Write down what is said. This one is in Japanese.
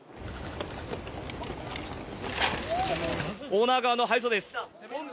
オーナー側の敗訴です。